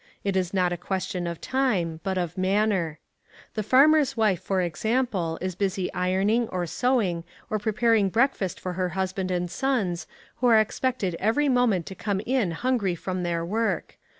It is not a question of time, but of manner. The farmer's wife, for example, is busy ironing, or sewing, or preparing breakfast for her husband and sons, who are expected every moment to come in hungry from their work.